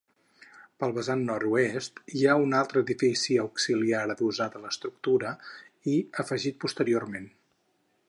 Pel vessant nord-oest hi ha un altre edifici auxiliar adossat a l'estructura, i afegit posteriorment.